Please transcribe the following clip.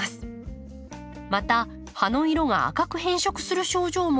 また葉の色が赤く変色する症状も現れます。